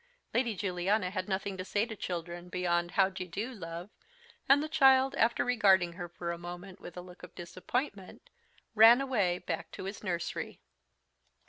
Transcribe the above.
Lady Juliana had nothing to say to children beyond a "How d'ye do, love?" and the child, after regarding her for a moment, with a look of disappointment, ran away back to his nursery.